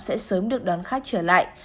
sẽ sớm được đón khách trở lại